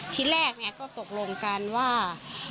ที่แรกก็ตกลงกันว่า